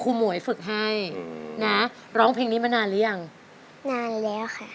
หมวยฝึกให้นะร้องเพลงนี้มานานหรือยังนานแล้วค่ะ